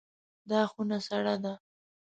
دا خونه سړه ده.